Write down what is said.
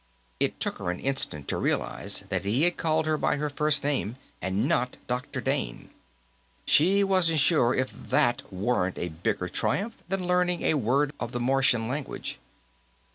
It took her an instant to realize that he had called her by her first name, and not Dr. Dane. She wasn't sure if that weren't a bigger triumph than learning a word of the Martian language.